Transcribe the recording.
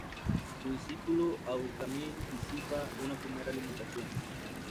Su discípulo Abu Kamil disipa una primera limitación.